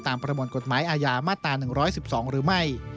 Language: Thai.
ประมวลกฎหมายอาญามาตรา๑๑๒หรือไม่